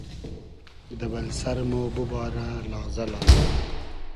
دۂ بئل سئر مۉ بوبارۂ لازۂ لازۂ